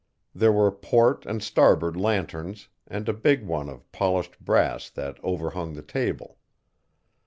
There were port and starboard lanterns and a big one of polished brass that overhung the table.